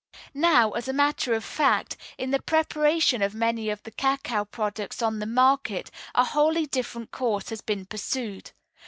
Now, as a matter of fact, in the preparation of many of the cacao products on the market, a wholly different course has been pursued.